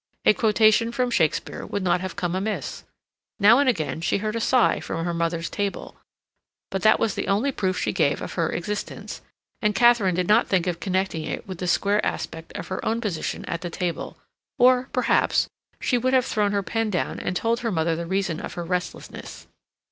A quotation from Shakespeare would not have come amiss. Now and again she heard a sigh from her mother's table, but that was the only proof she gave of her existence, and Katharine did not think of connecting it with the square aspect of her own position at the table, or, perhaps, she would have thrown her pen down and told her mother the reason of her restlessness.